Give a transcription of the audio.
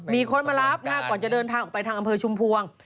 มีคนมารับก่อนจะเดินทางออกไปทางอำเภอชุมพวง